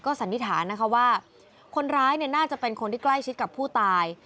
สันนิษฐานนะคะว่าคนร้ายน่าจะเป็นคนที่ใกล้ชิดกับผู้ตาย